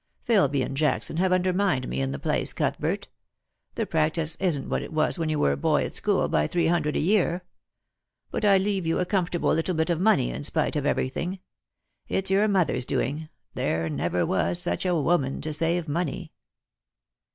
Pilby and Jackson have undermined me in the place, Cuthbert ; the practice isn't what it was when you were a boy at school, by three hundred a year. But I leave you a comfort able little bit of money, in spite of everything. It's your mother's doing — there never was such a woman to save money."